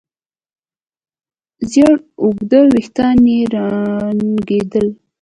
زېړ اوږده وېښتان يې زانګېدل.